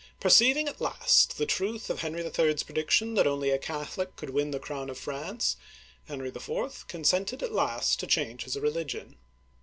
Perceiving at last the truth of Henry HI.'s prediction that only a Catholic could win the crown of France, Henry IV. con sented at last to change his religion.